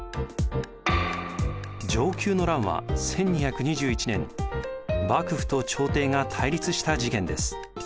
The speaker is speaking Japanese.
承久の乱は１２２１年幕府と朝廷が対立した事件です。